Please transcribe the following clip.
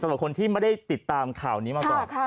สำหรับคนที่ไม่ได้ติดตามข่าวนี้มาก่อน